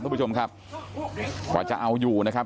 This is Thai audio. คุณผู้ชมครับกว่าจะเอาอยู่นะครับ